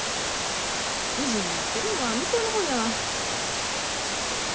意地になってるのは向こうの方やわ。